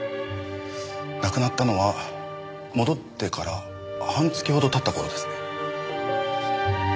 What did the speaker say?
亡くなったのは戻ってから半月ほど経った頃ですね。